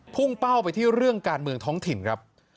พุ่งเป้าไปที่เรื่องการเมืองท้องถิ่นครับ